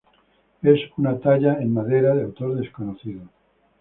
Es una talla en madera de autor desconocido.